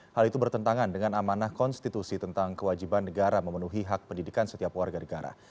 hal itu bertentangan dengan amanah konstitusi tentang kewajiban negara memenuhi hak pendidikan setiap warga negara